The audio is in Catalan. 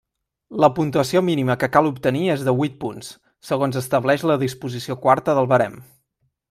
La puntuació mínima que cal obtenir és de huit punts, segons estableix la disposició quarta del barem.